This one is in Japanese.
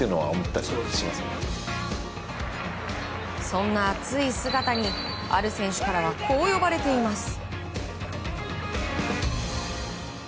そんな熱い姿にある選手からはこう呼ばれています。